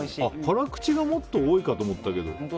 辛口がもっと多いかと思ったけど。